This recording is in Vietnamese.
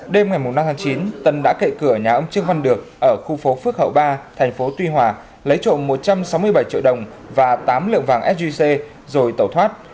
đêm ngày năm tháng chín tân đã cậy cửa nhà ông trương văn được ở khu phố phước hậu ba thành phố tuy hòa lấy trộm một trăm sáu mươi bảy triệu đồng và tám lượng vàng sgc rồi tẩu thoát